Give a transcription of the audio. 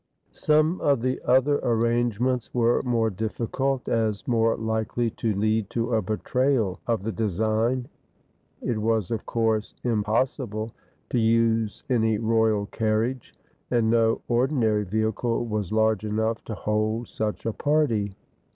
Some of the other arrangements were more difficult, as more likely to lead to a betrayal of the design. It was, of course, impossible to use any royal carriage, and no ordinary vehicle was large enough to hold such a party.